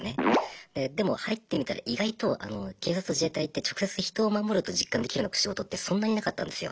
でも入ってみたら意外と警察と自衛隊って直接人を守ると実感できるような仕事ってそんなになかったんですよ。